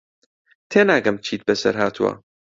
تێناگەم چیت بەسەر هاتووە.